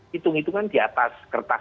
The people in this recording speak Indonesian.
hitung hitungan di atas kertas